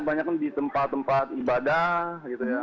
banyaknya di tempat tempat ibadah gitu ya